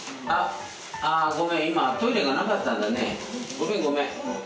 ごめんごめん。